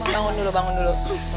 bangun dulu bangun dulu